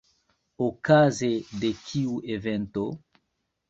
Okaze de kiu evento?